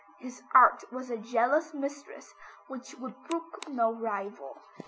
His art was a jealous mistress which would brook no rival.